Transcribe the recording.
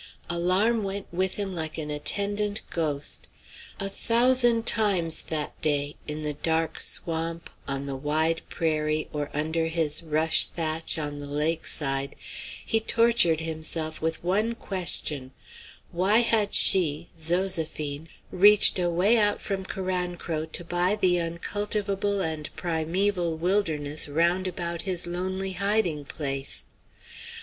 Alarm went with him like an attendant ghost. A thousand times that day, in the dark swamp, on the wide prairie, or under his rush thatch on the lake side, he tortured himself with one question: Why had she Zoséphine reached away out from Carancro to buy the uncultivable and primeval wilderness round about his lonely hiding place?